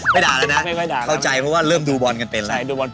ไม่ได้ด่าแล้วนะฮะเข้าใจเพราะว่าเริ่มดูบอลกันเป็นแล้ว